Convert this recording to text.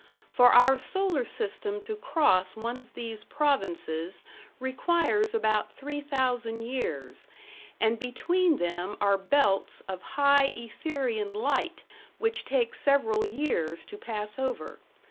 For our solar system to cross one of these provinces requires about 3,000 years, and between them are belts of high Etherian light which take several years to pass over.